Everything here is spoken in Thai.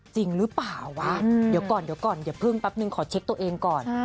จริงหรือเปล่าวะเดี๋ยวก่อนเดี๋ยวพึ่งปั๊ปหนึ่งขอเช็กตัวเองก่อน